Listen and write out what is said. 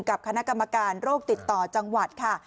กับคณะกรรมการโรคติดต่อจังหวัดค่ะ